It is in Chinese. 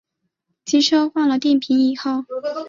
机车换了电瓶以后